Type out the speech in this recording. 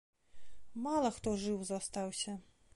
Мала хто жыў застаўся.